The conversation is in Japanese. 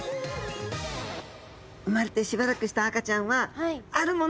生まれてしばらくした赤ちゃんはあるものに集まります。